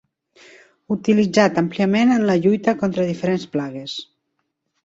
Utilitzat àmpliament en la lluita contra diferents plagues.